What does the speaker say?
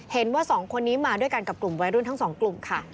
เห็นว่าสองคนนี้มาด้วยกันกับกลุ่มวัยรุ่นทั้งสองกลุ่มค่ะ